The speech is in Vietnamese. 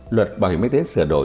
luật bảo hiểm y tế sửa đổi